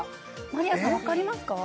まりあさん分かりますか？